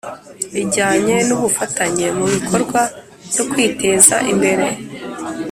ijyanye n ubufatanye mu bikorwa byo kwiteza imbere